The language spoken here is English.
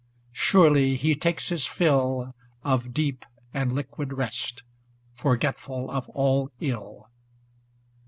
surely he takes his fill Of deep and liquid rest, forgetful of all ill.